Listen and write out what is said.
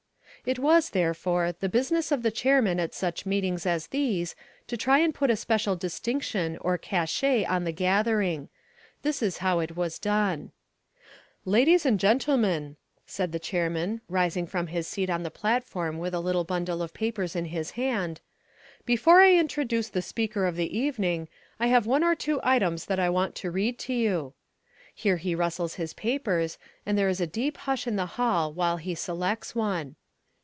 It was, therefore, the business of the chairman at such meetings as these to try and put a special distinction or cachet on the gathering. This is how it was done: "Ladies and gentlemen," said the chairman, rising from his seat on the platform with a little bundle of papers in his hand, "before I introduce the speaker of the evening, I have one or two items that I want to read to you." Here he rustles his papers and there is a deep hush in the hall while he selects one.